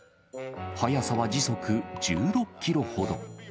速さは時速１６キロほど。